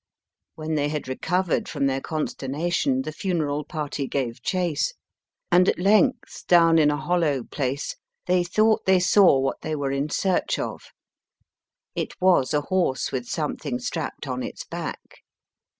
When they had recovered from their con sternation, the funeral party gave chase, and at length, down 62 MY FIRST BOOK in a hollow place, they thought they saw what they were in search of. It was a horse with something strapped on its back.